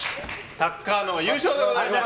タッカーノ優勝でございます。